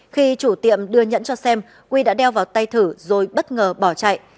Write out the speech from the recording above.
khi chủ tiệm đưa nhẫn cho xem quy đã đeo vào tay thử rồi bất ngờ bỏ chạy